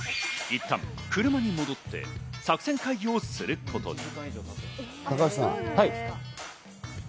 いったん車に戻って作戦会議をすることに。